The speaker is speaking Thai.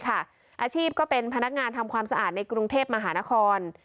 อาชีพก็เป็นพนักงานทำความสะอาดในกรุงเทพมหานคร